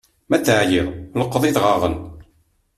Ma teεyiḍ lqeḍ idɣaɣen!